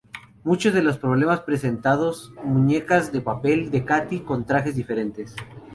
Muchos de los problemas presentados muñecas de papel de Katy con trajes diferentes.